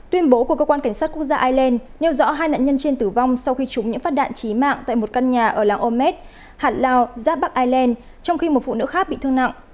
tuyên bố của cơ quan cảnh sát quốc gia ireland nêu rõ hai nạn nhân trên tử vong sau khi chúng những phát đạn trí mạng tại một căn nhà ở làng omez hạn lào giáp bắc ireland trong khi một phụ nữ khác bị thương nặng